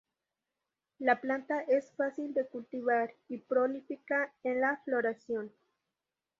La planta es fácil de cultivar y prolífica en la floración.